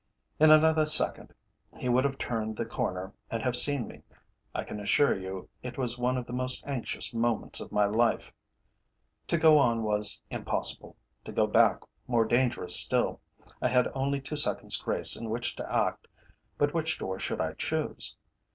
In another second he would have turned the corner and have seen me. I can assure you it was one of the most anxious moments of my life. To go on was impossible; to go back more dangerous still. I had only two seconds' grace in which to act, but which door should I choose?